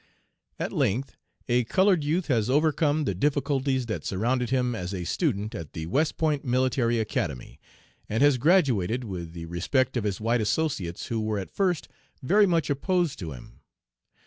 "At length a colored youth has overcome the difficulties that surrounded him as a student at the West Point Military Academy, and has graduated, with the respect of his white associates who were at first very much opposed to him.